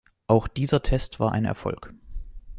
Auch dieser Test war ein Erfolg.